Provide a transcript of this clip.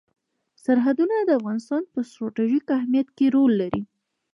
سرحدونه د افغانستان په ستراتیژیک اهمیت کې رول لري.